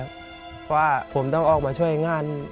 เพราะว่าผมต้องออกมาช่วยงาน